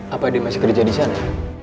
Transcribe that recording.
apa dia masih kerja disana